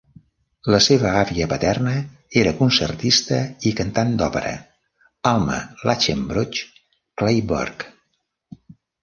La seva àvia paterna era concertista i cantant d'òpera Alma Lachenbruch Clayburgh.